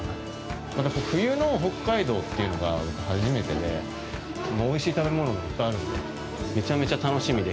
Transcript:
また冬の北海道というのが僕、初めてでおいしい食べ物もいっぱいあるのでめちゃめちゃ楽しみで。